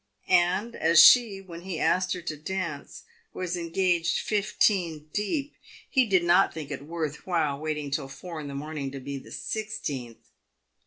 And as she, when he asked her to dance, was engaged fifteen deep, he did not think it worth while waiting till four in the morning to be the sixteenth.